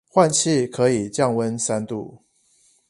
換氣可以降溫三度